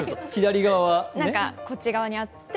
こっち側にあって。